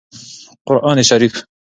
قران شريف